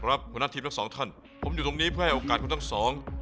หัวหน้าทีมทั้งสองท่านผมอยู่ตรงนี้เพื่อให้โอกาสคุณทั้งสอง